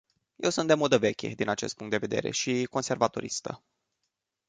Eu sunt de modă veche din acest punct de vedere și conservatoristă.